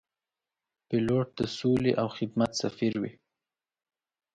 پیلوټ د سولې او خدمت سفیر وي.